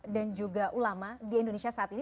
dan juga ulama di indonesia saat ini